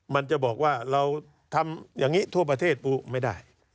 มันจะบอกว่าเราทำอย่างนี้ทั่วประเทศปูไม่ได้